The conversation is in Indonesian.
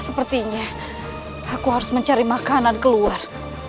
sepertinya aku harus mencari makanan keluar